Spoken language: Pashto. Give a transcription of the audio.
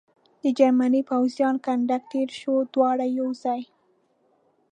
د جرمني پوځیانو کنډک تېر شو، دواړه یو ځای.